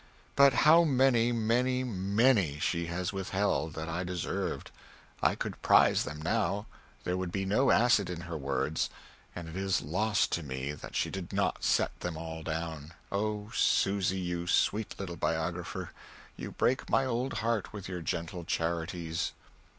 But how many, many, many she has withheld that I deserved! I could prize them now; there would be no acid in her words, and it is loss to me that she did not set them all down. Oh, Susy, you sweet little biographer, you break my old heart with your gentle charities!